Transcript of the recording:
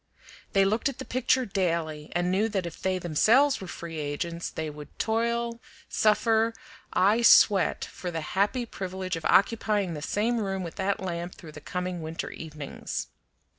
They looked at the picture daily and knew that if they themselves were free agents they would toil, suffer, ay sweat, for the happy privilege of occupying the same room with that lamp through the coming winter evenings.